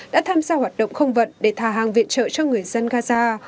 đã tham gia hoạt động không vận để thả hàng viện trợ cho người dân gaza